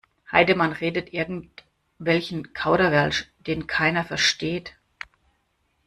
Heidemann redet irgendwelchen Kauderwelsch, den keiner versteht.